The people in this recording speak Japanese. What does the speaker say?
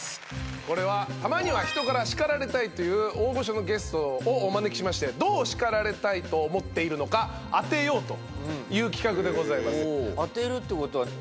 これはたまには人から叱られたいという大御所のゲストをお招きしましてどう叱られたいと思っているのか当てようという企画でございます。